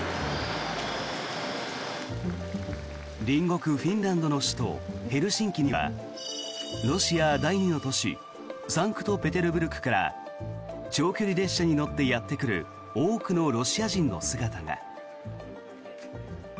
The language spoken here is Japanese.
隣国フィンランドの首都ヘルシンキにはロシア第２の都市サンクトペテルブルクから長距離列車に乗ってやってくる多くのロシア人の姿が。